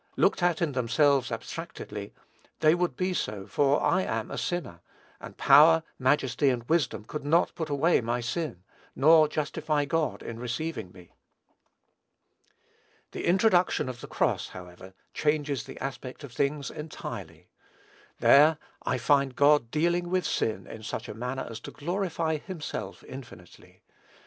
Looked at in themselves abstractedly, they would be so, for I am a sinner; and power, majesty, and wisdom, could not put away my sin, nor justify God in receiving me. The introduction of the cross, however, changes the aspect of things entirely. There I find God dealing with sin in such a manner as to glorify himself infinitely.